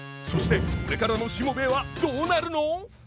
そしてこれからの「しもべえ」はどうなるの？